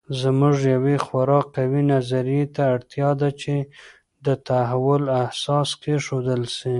زموږ یوې خورا قوي نظریې ته اړتیا ده چې د تحول اساس کېښودل سي.